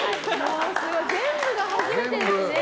全部が初めてですね。